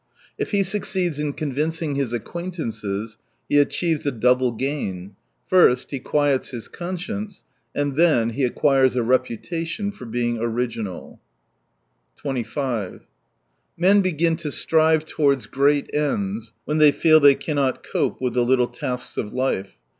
If he succeeds in convincing his acquaint ances, he achieves a double gain : first, he quiets his conscience, and then he acquires a reputation for being original. 25 Men begin to strive towards great ends when they feel they cannot cope with the little tasks of life.